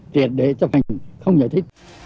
tiệt để cho mình không nhớ thích